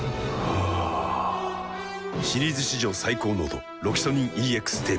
はぁシリーズ史上最高濃度「ロキソニンＥＸテープ」